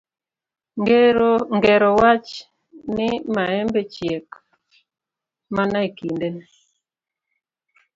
Ngero wacho ni maembe chiek mana e kindene.